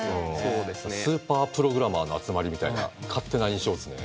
スーパープログラマーの集まりみたいな勝手な印象すね。